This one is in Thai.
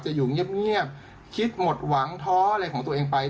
อยู่เงียบคิดหมดหวังท้ออะไรของตัวเองไป